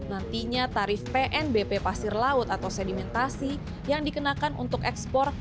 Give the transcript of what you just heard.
nantinya tarif pnbp pasir laut atau sedimentasi yang dikenakan untuk ekspor